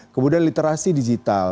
kemudian literasi digital